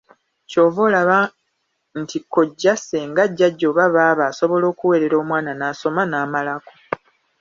Ky’ova olaba nti kojja, ssenga, jjajja oba baaba asobola okuweerera omwana n’asoma n’amalako.